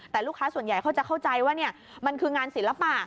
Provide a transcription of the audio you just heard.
แต่ลูกค้าส่วนใหญ่เขาจะเข้าใจว่ามันคืองานศิลปะ